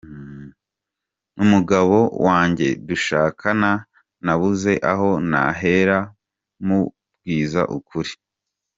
Umugabo wanjye dushakana nabuze aho nahera mubwiza ukuri.